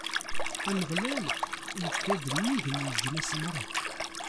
Ameɣlal ikka-d nnig n leǧnas merra.